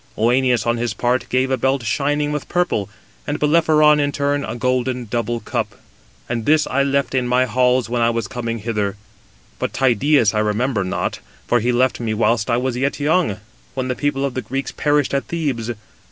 Œneus on his part gave a belt shining with purple; and Bellerophon in turn a golden double cup; and this I left in my halls when I was coming hither. But Tydeus I remember not, for he left me whilst I was yet young, when the people of the Greeks perished at Thebes.